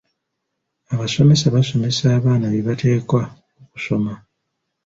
Abasomesa basomesa abaana bye bateekwa okusoma.